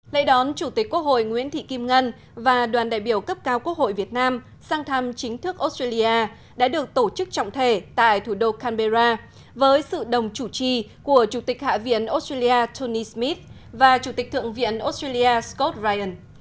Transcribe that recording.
lễ đón chủ tịch quốc hội nguyễn thị kim ngân và đoàn đại biểu cấp cao quốc hội việt nam sang thăm chính thức australia đã được tổ chức trọng thể tại thủ đô canberra với sự đồng chủ trì của chủ tịch hạ viện australia tony smith và chủ tịch thượng viện australia scott ryan